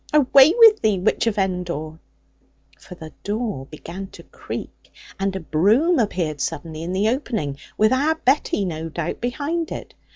Away with thee, witch of Endor!' For the door began to creak, and a broom appeared suddenly in the opening, with our Betty, no doubt, behind it.